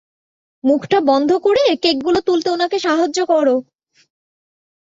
মুখটা বন্ধ করে কেকগুলো তুলতে উনাকে সাহায্য করো।